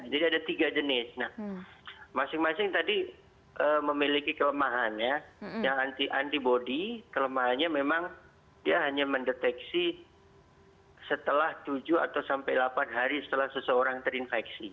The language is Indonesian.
jadi ada tiga jenis nah masing masing tadi memiliki kelemahan ya yang antibody kelemahannya memang dia hanya mendeteksi setelah tujuh atau sampai delapan hari setelah seseorang terinfeksi